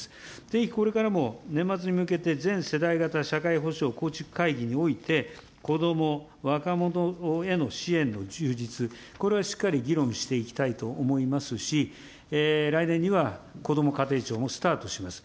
ぜひこれからも年末に向けて、全世代型社会保障構築会議において、子ども・若者への支援の充実、これはしっかり議論していきたいと思いますし、来年にはこども家庭庁もスタートします。